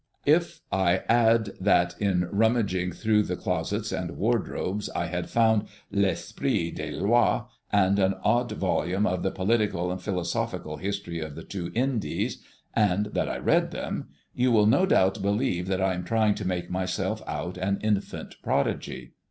If I add that in rummaging through the closets and wardrobes I had found "L'Esprit des Lois" and an odd volume of the "Political and Philosophical History of the Two Indies," and that I read them, you will no doubt believe that I am trying to make myself out an infant prodigy.